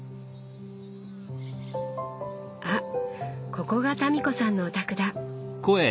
あここが民子さんのお宅だ。